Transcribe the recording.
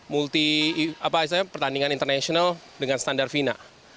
misalnya pertandingan internasional dengan standar vina